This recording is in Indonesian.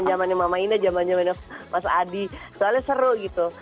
jamannya mama ina jamannya mas adi soalnya seru gitu